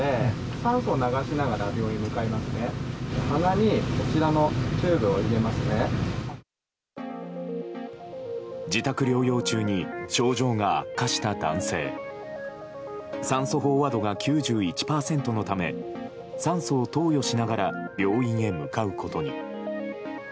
酸素飽和度が９１％のため酸素を投与しながら病院へ向かうことに。